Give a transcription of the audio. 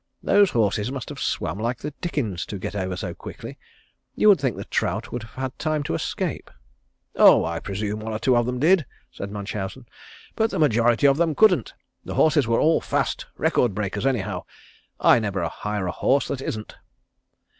Those horses must have swam like the dickens to get over so quickly. You would think the trout would have had time to escape." "Oh I presume one or two of them did," said Munchausen. "But the majority of them couldn't. The horses were all fast, record breakers anyhow. I never hire a horse that isn't."